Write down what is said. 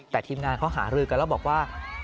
แต่ทีมงานเขาหารือกันแล้วบอกว่า